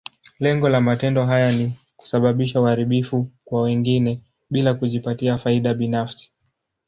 Lengo la matendo haya ni kusababisha uharibifu kwa wengine, bila kujipatia faida binafsi.